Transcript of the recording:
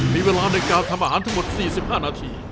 มีเวลาในการทำอาหารทั้งหมด๔๕นาที